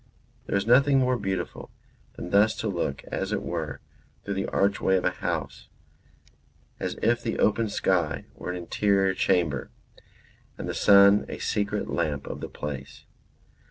There is nothing more beautiful than thus to look as it were through the archway of a house; as if the open sky were an interior chamber, and the sun a secret lamp of the place.